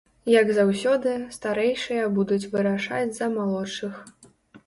Як заўсёды, старэйшыя будуць вырашаць за малодшых.